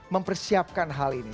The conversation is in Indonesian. mempersiapkan hal ini